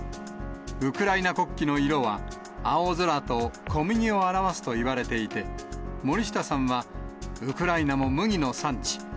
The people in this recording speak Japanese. ウクライナ国旗の色は、青空と小麦を表すといわれていて、森下さんは、ウクライナも麦の産地。